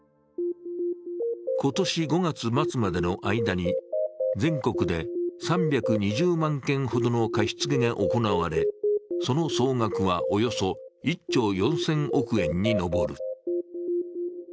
今年５月末までに間に全国で３２０万件ほどの貸し付けが行われその総額はおよそ１兆４０００億円に上る。